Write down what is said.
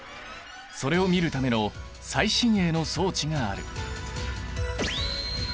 それを見るための最新鋭の装置がある。